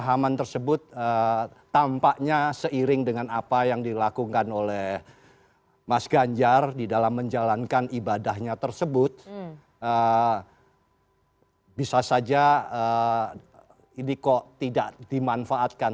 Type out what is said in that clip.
pemahaman tersebut tampaknya seiring dengan apa yang dilakukan oleh mas ganjar di dalam menjalankan ibadahnya tersebut bisa saja ini kok tidak dimanfaatkan